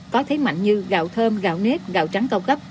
có thế mạnh như gạo thơm gạo nếp gạo trắng cao cấp